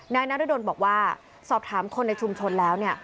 นายนรดลบอกว่าสอบถามคนในชุมชนแล้วเนี่ย